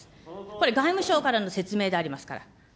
これ、外務省からの説明でありますから。